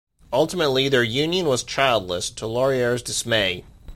Ultimately, their union was childless, to Laurier's dismay.